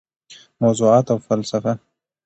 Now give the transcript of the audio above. موضوعات او فلسفه: